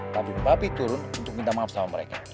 tapi babi turun untuk minta maaf sama mereka